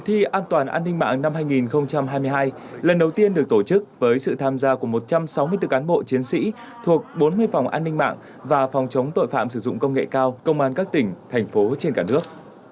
kỳ thi an toàn an ninh mạng năm hai nghìn hai mươi hai lần đầu tiên được tổ chức với sự tham gia của một trăm sáu mươi bốn cán bộ chiến sĩ thuộc bốn mươi phòng an ninh mạng và phòng chống tội phạm sử dụng công nghệ cao công an các tỉnh thành phố trên cả nước